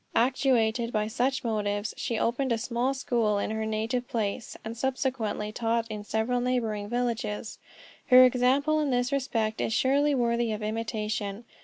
Actuated by such motives, she opened a small school in her native place, and subsequently taught in several neighboring villages. Her example in this respect is surely worthy of imitation.